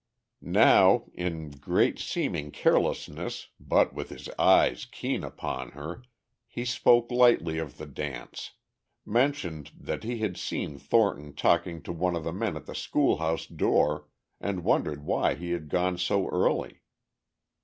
Now, in great seeming carelessness but with his eyes keen upon her, he spoke lightly of the dance, mentioned that he had seen Thornton talking to one of the men at the schoolhouse door and wondered why he had gone so early.